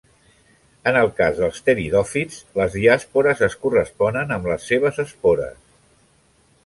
En el cas dels pteridòfits les diàspores es corresponen amb les seves espores.